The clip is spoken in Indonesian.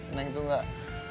neng tuh gak